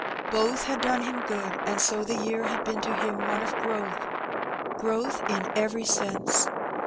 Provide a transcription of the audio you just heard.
Both had done him good^ and so the year had been to him one of growth — growth in every sense.